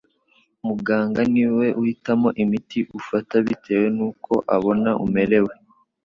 Muganga niwe uhitamo imiti ufata bitewe nuko abona umerewe,